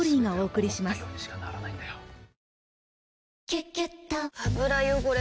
「キュキュット」油汚れ